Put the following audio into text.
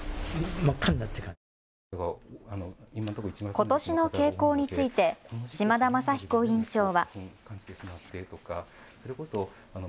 ことしの傾向について島田昌彦院長は。